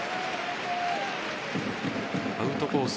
アウトコース